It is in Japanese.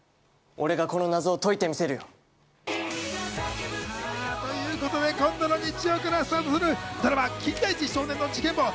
俺がこの謎を解いてみせるよ。ということで今度の日曜からスタートするドラマ『金田一少年の事件簿』。